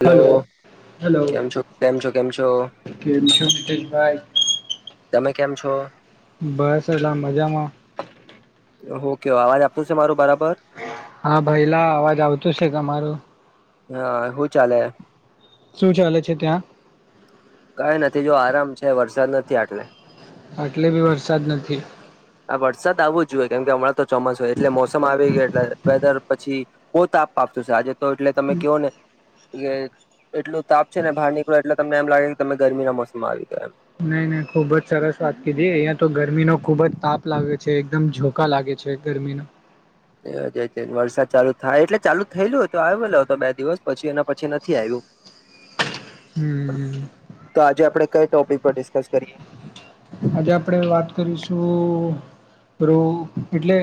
Hello. Hello કેમ છો કેમ છો કેમ છો કેમ છો મિતેશભાઈ તમે કેમ છો બસ એલા મજામાં ઓ કે અવાજ આવતો છે મારો બરાબર હા ભાઈલા અવાજ આવતો છે તમારો હા હું ચાલે શું ચાલે છે ત્યાં કઈ નથી જો આરામ છે વરસાદ નથી આટલે આટલે બી વરસાદ નથી આ વરસાદ આવવો જ જોઈએ કેમ કે હમણાં તો ચોમાસુ હોય એટલે મોસમ આવી ગયો વેધર પછી બહુ તાપ આપતું છે આજે તો એટલે તમે કહો ને કે એટલું તાપ છે ને બહાર નીકળ્યો એટલે તમને એમ લાગે કે તમે ગરમીના મોસમમાં આવી ગયો એમ હું ખુબ જ સરસ વાત કીધ અહિયાં તો ગરમી નો ખુબ જ તાપ લાગે છે એકદમ જોકા લાગે છે ગરમી ના એજ વરસાદ ચાલુ થાય એટલે ચાલુ થયેલું હતું આવેલો હતો બે દિવસ પછી એના પછી નથી આવ્યું [inaudible] હમ. તો આજે આપણેે કઈ ટોપિક પર ડિસ્કસ કરીએ આજે આપણે વાત કરીશું પેલુ એટલે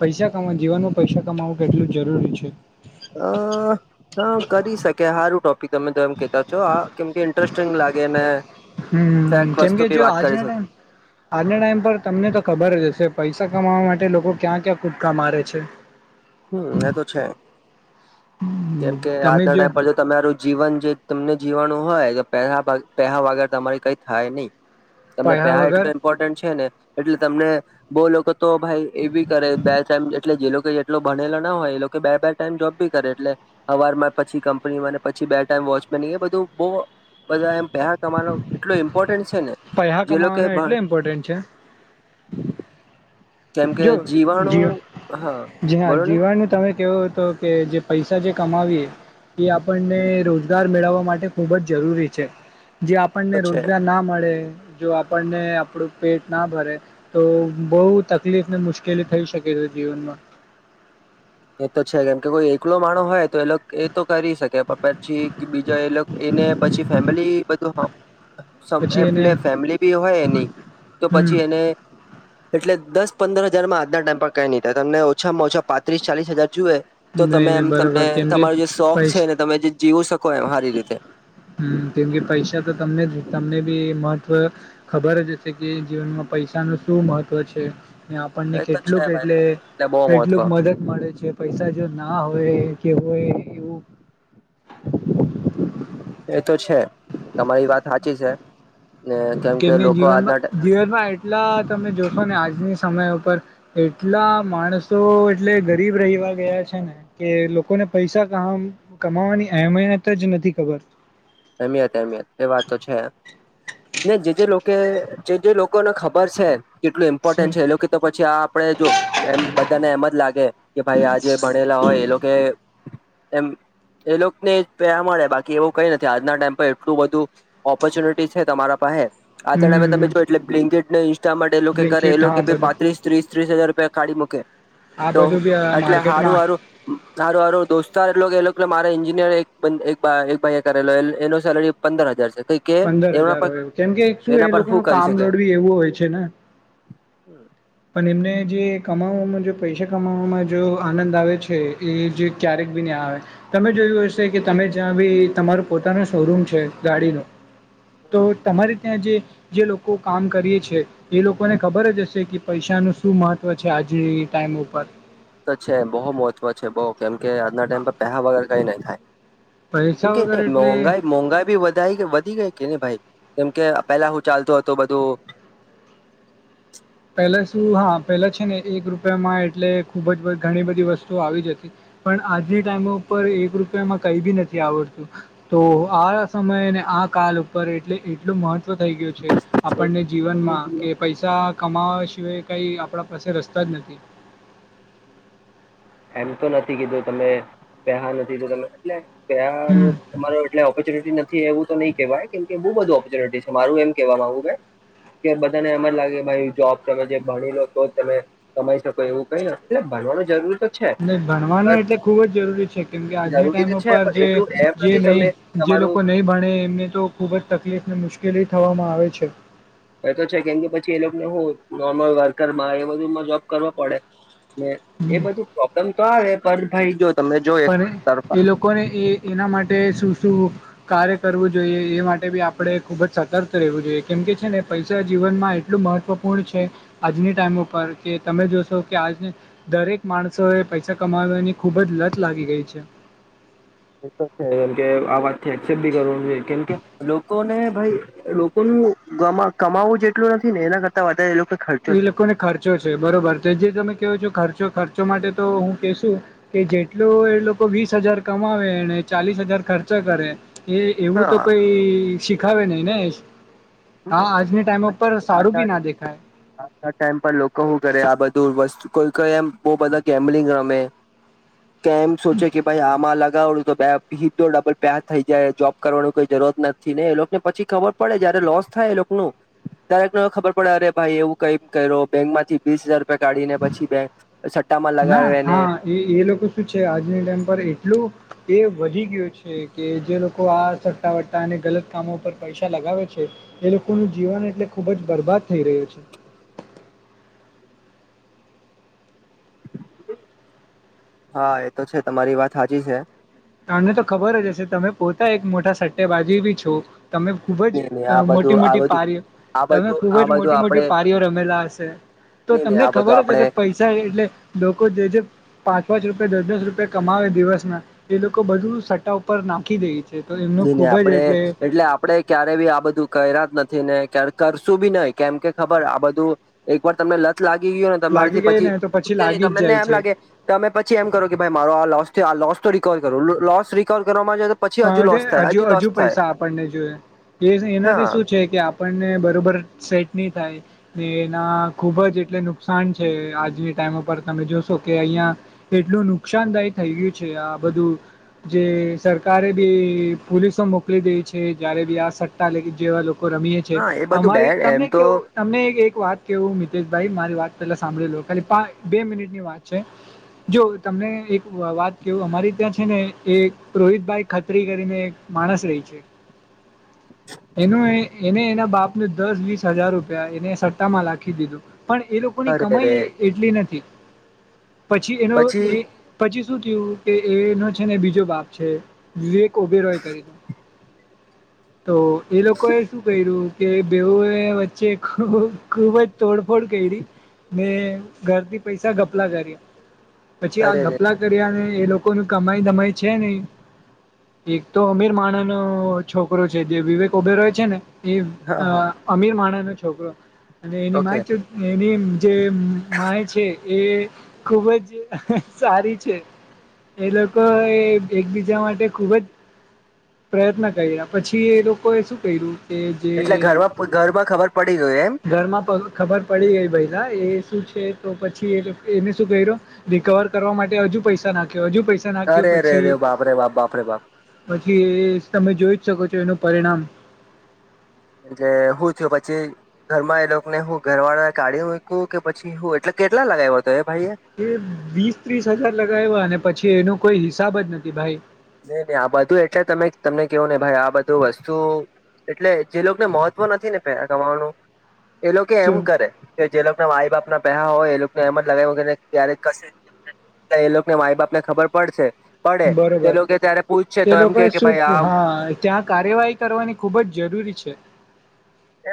પૈસા કમા જીવનમાં પૈસા કમાવવું કેટલું જરૂરી છે અ હા કરી શકે સારું ટોપિક તમે તો એમ કેતા છો આ કેમ કે ઇન્ટરેસ્ટિંગ લાગે ને ફેક્ટ હું વસ્તુ કેમકે બી જો વાત કરી આજના શકે ટાઈમ આજના ટાઈમ પર તમને તો ખબર જ હશે પૈસા કમાવા માટે લોકો ક્યાં ક્યાં કુદકા મારે છે હમ એ તો છે કેમ કે તમે આજના જ ટાઇમ પર જો તમારું જીવન જે તમને જીવાણું હોય તો [unintelligible] વગર તમારી કઈ થાય નહી તમને પૈહા પેહા વગર એટલું ઇમ્પોર્ટન્ટ છે ને એટલે તમને બહુ લોકો તો ભાઈ એ બી કરે બે ટાઈમ એટલે જે લોકો ભણેલો ના હોય એ કે બે, બે ટાઈમ જોબ બી કરે એટલે હવાર પછી કંપનીને પછી બે ટાઈમ વોચ એ બધું બહુ બધા એમ પેહા કમાનો એટલ ઇમ્પોર્ટન્ટ છે ને પૈહા જે લોકો કમાવાનું ભ એટલે ઇમ્પોર્ટન્ટ છે કેમ કે જીવાણુ હા જ હા બોલો ને જીવાનું તમે કેવું તો કે જે પૈસા જે કમાવીએ એ આપણને રોજગાર મેળવવા માટે ખૂબ જ જરૂરી છે જો તો આપણને છે રોજગાર ના મળે જો આપણને આપણું પેટ ના ભરે તો બહુ તકલીફ ને મુશ્કેલી થઈ શકે છે જીવનમાં એ તો છે કેમ કે કોઈ એકલો માહણ હોય તો એ એ તો કરી શકે પછી બીજા એ ને પછી ફેમિલી બધું હોય પછી એને એટલે ફેમિલી બી હોય એની તો હમ પછી એને એટલે દસ, પંદર હજાર આજના ટાઈમ પર ક્યાઈ નહીં થાય તમ ઓછામાં ઓછા પાંત્રીસ, ચાલીસ હજાર જુએ તો તમે નહી એમ તમે બરોબર કેમ કે તમાર જે શોખ પૈસા છેને તમે જે જીવું શકો એ હારી રીતે હમ કેમકે પૈસા તો તમને તમને બી મહત્વ ખબર જ હશે કે જીવનમાં પૈસા પૈસા નું શું મહત્વ છે આપણને એ તો છે કેટલુંક ભાઈ એટલે બહુ એટલે બહુ મહત્વ કેટલુંક મદદ મળે છે પૈસા જો ના હોય કે હોય એવું એ તો છે તમારી વાત હાચી છે ને કેમ કે લોકો જીવનમાં આજના જીવનમાં એટલા તમે જોશો ને આજની સમય ઉપર એટલા માણસો એટલે ગરીબ રહી ગયા છે ને કે લોકોને પૈસા કમાવાની એહીયમત જ નથી ખબર અમિયત, અમિયત એ વાત તો છે ને જે જે લોકો જે જે લોકોને ખબર છે કેટલું ઇમ્પોર્ટન્ટ છે, એ લોકો કે તો પછી આ આપડે જો એમ બધાને એમ જ લાગે કે ભાઈ આજે ભણેલા હોય એ લોકો એમ એ લોકોને પેરા મળે બાકી એવું કઈ નથી આજના ટાઈમ પર એટલું બધું ઓપોર્ચ્યુનિટી છે, તમારા પાંહે આજના ટાઈમે હમ તમે જો એટલે બ ને ઇન્સ્ટાટ [unintelligible] એ લોકો કરે એ બ્લિંકટ લોકો હા બધું પાંત્રીસ ત્રીસ, ત્રીસ હજાર રૂપિયા [unintelligible] મૂકે આ તો બધું બી એટલે સારું, માર્કેટમાં સારું, સારું, સારું દોસ્તાર એટલો કે એટલે મારે એન્જિનિયર એક, એક, એક, ભાઈ કરેલો એનો સેલરી પંદર હજાર છે કઈ કે પંદર એના હજાર પર હોય કેમકે શું એના એ પર લોકો ન કરી કામ શકે [unintelligible] એવું હોય છે, ને [unintelligible] [unintelligible] એમને જે કમાવામાં પૈસા કમાવામાં જો આનંદ આવે છે, એ જે ક્યારેક બી તમે જોયું હશે કે તમે જ્યાં ભી તમારો પોતાનો શોરૂમ છે, ગાડી નો તો તમારે ત્યાં જે જે લોકો કામ કરી છે, એ લોકોને ખબર જ હશે કે પૈસા નુ શું મહત્વ છે આજ ટાઈમ ઉપર તો છે, બહુ મહત્વ છે, બહુ કેમ કે આજના ટાઈમ હા પર પહેહ વગર કઈ નહી થાય કેમ પૈસા કે વગર એટલે મોંઘાઈ, [unintelligible] ભી વધા વધી ગઈ કેને ભાઈ કેમ કે પેલા શું ચાલતું હતું બધું પેલા શું હા પેલા છે, ને એક રૂપિયામાં એટલે ખુબ જ ઘણી બધી વસ્તુઓ આવી જ હતી પણ આજ ટાઈમ ઉપર એક રૂપિયામાં કઈ બી નથી [unintelligible] તો આ સમયેને આ કાલ ઉપર એટલે એટલું મહત્ત્વ થઈ ગયું છે, આપણને જીવનમાં કે પૈસા કમાવા સિવાય કંઈ આપણા પાસે રસ્તા જ નથી એમ તો નથી કેધ તમે, પેહા નથી જોઈતા તો તમે હમ [unintelligible] તમાર એટલે ઓફિસ [unintelligible] એવું નથી એવું તો નઈ કેહેવાય કેમ કે બુ બધું ઓપર્ચુનિટી છે, મારું એમ કેવા માંગુ કે બધાને એમ જ લાગે ભાઈ જોબ તમે જે ભણી લો તો તમે કમાઈ શકો એવું. કઈ ના એટલે ભણવાનું જરૂર. નહી ભણવાનું એટલે ખુબ જ જરૂરી છે, કેમ કે આજની જરૂરી ટાઈમ તો છે ઉપર પણ એટલું એમ જે નથી નહી. તમને એ લોકો તમારું નહીં ભણે એમને તો ખુબ જ તકલીફ ને મુશ્કેલી થવામાં આવે છે. એ તો છે, કેમ કે પછી એ લોકોને હું નોર્મલ વર્કરમાં એ બધુંમાં જોબ કરવો પડે. ને એ બધું પ્રોબ્લેમ તો આવે પર ભાઈ જો. તમે જો એક પણ તરફા એ લોકોને એ એના માટે શું શું કાર્ય કરવું જોઈએ એ માટે ભી આપણે ખુબ જ સતર્ક રહેવું જોઈએ કેમ કે છે, ને પૈસા. જીવનમાં એટલું મહત્વપૂર્ણ છે, આજની ટાઈમ ઉપર કે તમે જોશો કે આજ દરેક. માણસો એ પૈસા કમાવાની ખૂબ જ લત લાગી ગઈ છે. કેમ કે આ વાત થી એસેપ્ટ ભી કર જોઈ કેમકે લોકોને. ભાઈ લોકોનું કમાવવું [unintelligible] જેટલું નથી ને એના કરતા વધારે લોકો. ખર્ચો એ છે લોકોને ખર્ચો છે, બરોબર તે જે તમે કેવો છો ખર્ચો. ખર્ચો માટે તો હું કહેશું કે જેટલુ એ લોકો વીસ હજાર કમાવે ચાલીસ હજાર ખર્ચ. ખર્ચા કરે એ એવું તો હા કોઈ શીખાવે નહી ને. હા આજની ટાઈમ ઉપર સારું ભી ના દેખાાય. આ ટાઈમ પર લોકો [unintelligible] કરે આ બધું વસ્તુ કોઈ [unintelligible] એમ બહુ બધા ગેમ્લિંગ રમે. કેમ સોચે કે ભાઈ આમાં અલગ. [unintelligible] થાય એ લોકનુ [unintelligible] ખબર પડે અરે ભાઈ એવું કઈમ કર બેંક માંથી વીસહજાર રૂપિયા કાઢીને પછી પછી બેક. ના હા એ એ લોકો શું છે, આજની ટાઈમ પર એટલું એ વધી ગયું છે, કે જે લોકો આ સટ્ટા વટ્ટા અને ગલત કામો પર પૈસા લાગે છે, એ લોકોનું જીવન એટલે ખુબ જ બરબાદ થઈ રહ્યું છે. હા એ તો છે, તમારી વાત સાચી છે. [unintelligible] તો ખબર જ હશે તમે પોતા એક મોટા સટ્ટે [unintelligible] બી છો. તમે ખુબ જ નઈ નહી આ મોટી બધું આ મોટી બધું પારી આ તમે બધું ખુબ આ જ બધું મોટી મોટી આપડે પારીઓ રમેલા હશે. તો નઈ નહી તમને આ બધું ખબર હશે આપડે જે પૈસા એટલે લોકો જે જે પાંચ પાંચ રૂપિયા દસ દસ રૂપિયા કમાવે દિવસમાં એ લોકો બધું સટ્ટા ઉપર નાખી દે છે. તો એમનું ન નને ખૂબ જ આપડે એટલે આપડે ક્યારે બી આ બધું કર્યા જ નથી ને જયારે કરશું બી નહી કેમ કે ખબર આ બધું એક વાર તમને લત લાગી ગયોને લાગી તમાથી ગઈ પછી ને તો છ ન લાગી જ તમનેને જાય એમ છે લાગે તમે પછી એમ કરો કે મારો આ લોસ છે મારો લોસ રિકવર કરવું લોસ રિકવર કરવામાં તો પછી હજુ લોસ પણ થાય હજુ હજુ લોસ થાય પૈસા આપણને જોઈએ. એનાથી હા શું છે કે આપણને બરોબર સેટની થાય એના ખુબ જ એટલે નુકસાન છે. આજની ટાઈમ ઉપર તમે જોશો કે અહિયાં એટલું નુકસાનદાય થઈ ગયું છે. આ બધું જે સર કારે બી પોલીસો મોકલી દે છે જયારે બી આ સટ્ટા લે જેવા લોકો રમીએ છે હા એ બધું અમારી બેન એમ તમને તો કેવું તમને એક વાત કેવું તે ભાઈ મારી વાત પેલા સાંભળી લો ખાલી બે મિનિટ ની વાત છે. જો તમને એક વાત કેવું અમારી ત્યાં છે ને એ રોહિત ભાઈ ખત્રી કરીને એક માણસ રહે છે. એનું એને એના બાપને દસ વીસ હજાર રૂપિયા એને સટ્ટામાં નાખી દીધું. પણ એ લોકોની અરે રે કમાઈ એટલી નથી. પછી એનો પછી એ પછી શું થયું કે એનો છે ને બીજો બાપ છે. વિવેક ઓબેરો એ કરી તો એ લોકોએ શું કર્યું કે બેવુએ વચ્ચે ખૂ ખૂબ જ તોડફોડ કરી ને ઘરથી પૈસા ગપલા કર્યા પછી આ અરે રે ગપલા કર્યાને એ લોકો ન કમાઈ દમાઈ છે નહિ. એક તો અમીર માણસનો છોકરો છે જે વિવેક ઉભેર હોય છે ને એ હા હા અમીર માણસનો છોકરો અને એની ઓકે મા ચોત એ ની જે માં છે એ ખુબ જ સારી છે એ લોકો એકબીજા માટે તે ખૂબ જ પ્રયત્ન કર્યા પછી એ લોકોએ શું કર્યું કે જે એટલે ઘરમાં ઘરમાં ખબર પડી ગયું એમ ઘરમાં ખબર પડી ગઈ ભૈલા એ શું છે તો પછી એને શું ક્યો રિકવર કરવા માટે હજુ પૈસા નાખ્યો હજુ પૈસા નાખ્યો અરે રે પછી રે બાપરે બાપ બાપરે બાપ પછી એ તમે જોઈ જ શકો છો એનું પરિણામ એલે હું થું પછી ઘરમાં એ લોકોને હું ઘર વાળા કાઢીકું કે પછી હું એટલે કેટલા લગાવ્યા એ વીસ ત્રીસ હજાર લગાવ્યા અને પછી એનો કોઈ હિસાબ જ નથી ભાઈ નહી નહી આ બધું એટલે તમે તમને કેવો નને ભાઈ આ બધું વસ્તુ એટલે જે લોકોને મહત્વ નથી ને પે ગમાવાનું એ લોકો એમ શું કરે કે જે લોકો ના માઈ બાપ ના પેહા હોય એ લોકો એમ જ લગાવ કેને ક્યારે ક એ લોકોને માઈ બાપ ને ખબર પડશે પડે તે બરોબર લોકો ત્યારે પૂછશે તે તો એમ લોકો કે એ કે શું ભાઈ આ હા ત્યાં કાર્યવાહી કરવાની ખુબ જ જરૂરી છે છે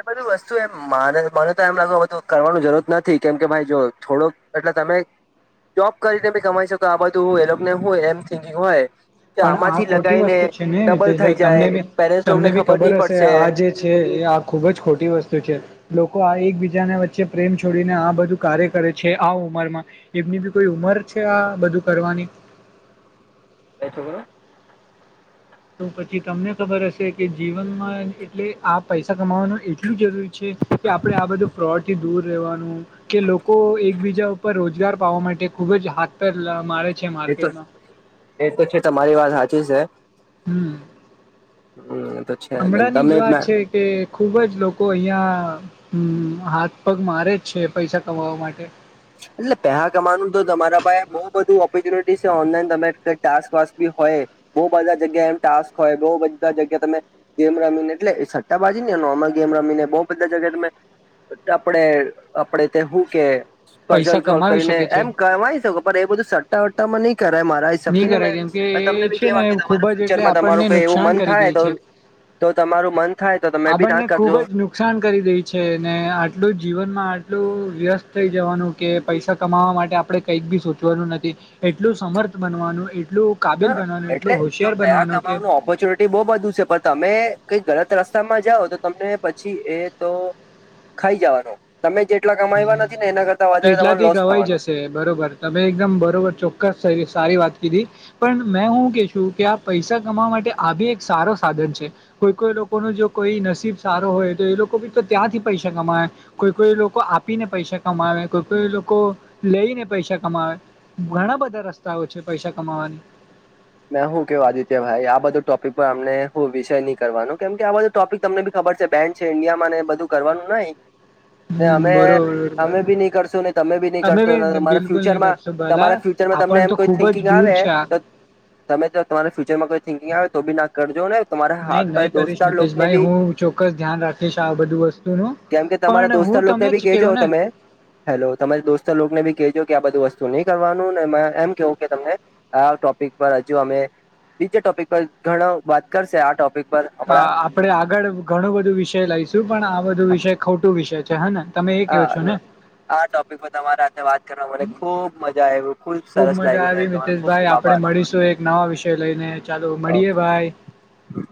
એ બધું વસ્તુ એ મને તો એમ લાગું કરવાની જરૂરત નથી કેમ કે ભાઈ જો થોડોક એટલે તમે જોબ કરીને બી કમાઈ શકો આ બધું એ લોકોને હોય એમ થિકિંગ હોય કે પણ આ આમાંથી ખોટી લગાઈને વસ્તુ છે ને ડબલ થઈ મિતેશભાઈ જાય તમને બી પેરેન્ટ્સ તમને લોકોને બી ખબર નહી હશે પડશે. આ જે છે એ આ ખૂબ જ ખોટી વસ્તુ છે લોકો આ એકબીજાને વચ્ચે પ્રેમ છોડીને આ બધું કાર્ય કરે છે આ ઉંમરમાં એમની બી કોઈ ઉમર છે આ બધું કરવાની [inaudible] હમ તો પછી તમને ખબર હશે કે જીવનમાં એટલે આ પૈસા કમાવાનું એટલું જરૂરી છે આપ આ બધ ફ્રોડ થી દૂર રહેવાનું કે લોકો એકબીજા ઉપર રોજગાર પાવા માટે ખુબ જ હાથર મારે છે તો માર્કેટમાં એ તો છે તમારી વાત સાચી છે હમ હમ તો છે હમણાં ની તમે જ વાત છે એટલે કે ખુબ જ લોકો અહિયાં હમ હાથ પગ મારે જ છે પૈસા કમાવા માટે એટલે પેસા કમાવાનું તો તમારા પાસે બઉુ બધું ઓપોર્ચ્યુનિટી છે ઓનલાઈન તમે ટાસ્ક વાકી હોય બહુ બધા જગ્યા એમ ટાસ્ક હોય બહુ બધા જગ્યા તમે ગેમ રમીને એટલે સટ્ટાબાજી નહિ આમાં ગ એમ રમીને બહ બધા જગ્યાએ તમે આપડે આપડે તે હું કે કઝલ પૈસા સોલ્વ કમાવી કરીને શકે છે એમ કવાય શકો પણ એ બધું સટ્ટા વટ્ટામાં નહી કર મારા હિસાબ નહીં થી ને કરાય મેં કેમ કે એ તમને બી છે ને કેવા કે તમારા ખૂબ જ એટલે ફ્યુચરમાં આપણને તમારુંઈ એવું નુકસાન મન કરી થાય તો તો તમારું મન થાય તો તમે આ બી ના બંને ખુબ કરજો જ નુકસાન કરી દે છે આટલું જ જીવનમાં આટલું વ્યસ્ત થઈ જવાનું કે પૈસા કમાવા માટે આપણે કઈક બી સોચવાનું નથી એટલું સમર્થ બનવાનું એ હા એટલે જો કયા કે કમાવાનું ઓપોર્ચ્યુનિટી બહુ બધું છે પણ તમે કઈક ગલત રસ્તામાં જાઓ તો તમને પછી એ તો ખાઈ જવાનો તમે જેટલા કમાયવા નથી ને એના કરતા વધારે તમારો એટલાથી લોસ ગવાઈ થવાનો જશે બરોબર તમે એકદમ બરોબર ચોક્કસ થઈ સારી વાત કીધી પણ મેં હું કે છું કે આ પૈસા કમાવા માટે આ બી એક સારો સાધન છે કોઈ કોઈ લોકો ન જો કોઈ નસીબ સારો હોય તો એ લોકો બી ત્યાંથી પૈસા કમાય કોઈ કોઈ લોકો આપીને પૈસા કમાવે કોઈ કોઈ લોકો લઈને પૈસા કમાવે ઘણા બધા રસ્તાઓ છે પૈસા કમાવાની. મે હું કેવું આદિત્ય ભાઈ આ બધો ટોપિક પર અમને હું વિષય નહી કરવાનો કેમ કે આ બધો ટોપિક તમને બી ખબર ખબર છે બેન્ડ છે ઇન્ડિયા માં એ બધું કરવાનું નહીં. ને હમ, અમે બરોબર બરોબર અમે બી નહી કરશો ન તમે બી નહી કરશો બી તમારા બિલકુલ નહી ફ્યુચરમાં કરશો ભલા તમારા ફ્યુચર જો આપણ તમને તો કો ખુબ થિકિંગ જ દૂર આવે છે આ તમે જો તમારે ફ્યુચરમાં કોઈ થિંકિંગ આવે તો બી ના કરજો ને તમારા નહી હાથ નહી કરીશ દોસ્તાર લોકોને નિતેશભાઈ બી હું ચોક્કસ ધ્યાન રાખીશ આ બધું વસ્તુ નું. કેમ કે તમારા દોસ્તાર લોકને ભી કહેજો તમે હેલો તમામે દોસ્તાર લોકને ભી કહેજો કે આ બધું વસ્તુ હુ નહી કરવાનું ને એમ કેવું કે તમને આ ટોપિક પર હજુ અમે બીજા ટોપિક પર ઘણા વાત કરશે આ ટોપિક પર હા હમણાં આપડે આગળ ઘણું બધું વિષય લઈશું પણ આ બધું વિષય ખોટું વિષય છે હે ને. હા આ ટોપિકમાં તમારા જો વાત કરવા મને ખૂબ મજા આવયુ ખુબ સરસ મજા લાગ્યુંને આવી તમારો ખૂબ મિતેશભાઈ ખૂબ આપડે આભાર. મળીશું એક નવા વિષય લઈને ચાલો મળીયે ભાઈ. હ.